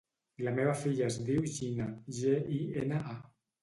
La meva filla es diu Gina: ge, i, ena, a.